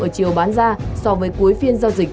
ở chiều bán ra so với cuối phiên giao dịch